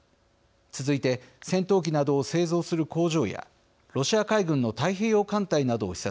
続いて戦闘機などを製造する工場やロシア海軍の太平洋艦隊などを視察しました。